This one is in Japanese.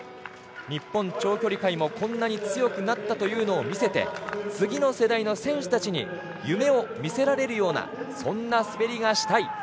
日本長距離界もこんなに強くなったというのを見せて次の世代の選手たちに夢を見せられるようなそんな滑りがしたい。